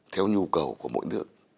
theo nhu cầu của mỗi nước